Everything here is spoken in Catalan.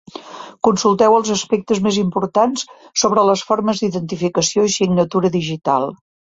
Consulteu els aspectes més importants sobre les formes d'identificació i signatura digital.